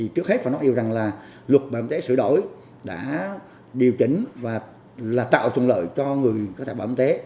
trước hết phải nói yêu rằng là luật bảo hiểm y tế sửa đổi đã điều chỉnh và là tạo thuận lợi cho người có thẻ bảo hiểm y tế